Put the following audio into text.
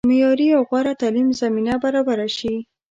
معیاري او غوره تعلیم زمینه برابره شي.